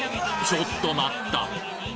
ちょっと待った！